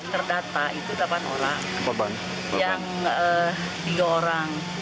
lalu yang empat masih dicari